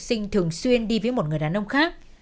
sinh thường xuyên đi với một người đàn ông khác